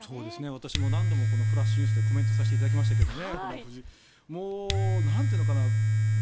私も何度もこのフラッシュＮＥＷＳでコメントさせていただきましたけどね。